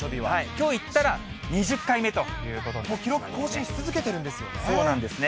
きょういったら２０回目といもう記録更新し続けているんそうなんですね。